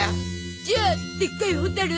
じゃあでっかいホタル？